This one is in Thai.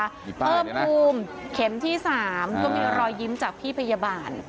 เอ้อปูมเข็มที่๓ต้องมีรอยยิ้มจากพี่พยาบาล